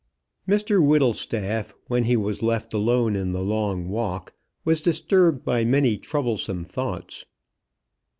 Mr Whittlestaff, when he was left alone in the long walk, was disturbed by many troublesome thoughts.